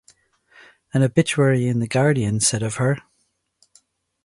An obituary in "The Guardian" said of her